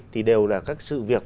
thì đều là các sự việc